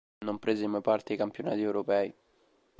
Non prese mai parte ai campionati europei.